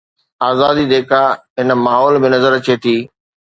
آزادي جيڪا هن ماحول ۾ نظر اچي ٿي.